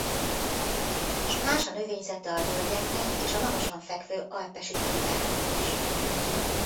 S más a növényzete a völgyeknek és a magasan fekvő alpesi tundráknak is.